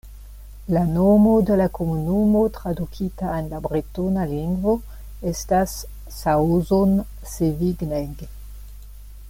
La nomo de la komunumo tradukita en la bretona lingvo estas "Saozon-Sevigneg".